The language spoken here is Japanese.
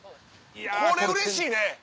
これうれしいね。